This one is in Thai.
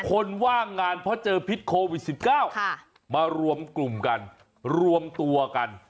คนว่างงานเพราะเจอพิษโควิด๑๙มารวมกลุ่มกันรวมตัวกัน